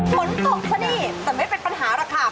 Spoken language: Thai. ผลตกใช่ไหมแต่ไม่เป็นปัญหาหรือครับ